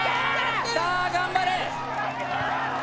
さあ頑張れ。